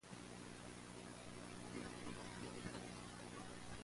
It is similar to the arcade game, "Defender".